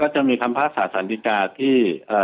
ก็จะมีคำภาษาสารดีการ์ที่